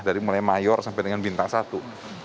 dari mulai mayor sampai dengan bintang satu